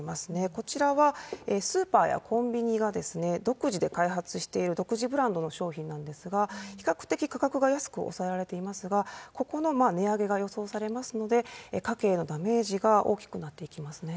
こちらはスーパーやコンビニが独自で開発している独自ブランドの商品なんですが、比較的価格が安く抑えられていますが、ここの値上げが予想されますので、家計のダメージが大きくなっていきますね。